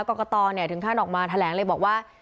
กรกตถึงขั้นออกมาแถลงเลยบอกว่า